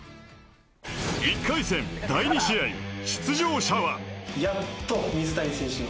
１回戦第２試合出場者は。